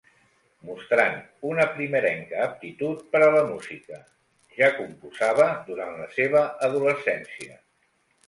Mostrant una primerenca aptitud per a la música, ja composava durant la seva adolescència.